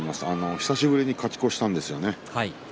久しぶりに勝ち越したんですよね。